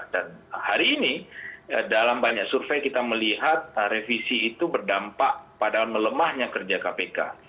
dan hari ini dalam banyak survei kita melihat revisi itu berdampak pada melemahnya kerja kpk